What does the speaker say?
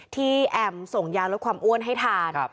แอมส่งยาลดความอ้วนให้ทาน